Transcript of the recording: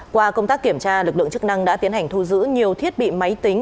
qua công tác kiểm tra lực lượng chức năng đã tiến hành thu giữ nhiều thiết bị máy tính